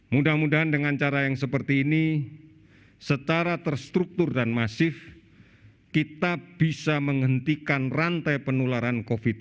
mudah mudahan dengan cara yang seperti ini secara terstruktur dan masif kita bisa menghentikan rantai penularan covid sembilan belas